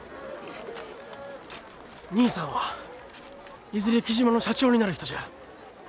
兄さんはいずれ雉真の社長になる人じゃあ。